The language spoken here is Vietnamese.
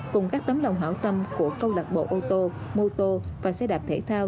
cùng các tấm lòng hảo tâm của câu lạc bộ ô tô mô tô và xe đạp thể thao